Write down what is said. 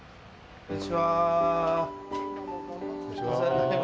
こんにちは。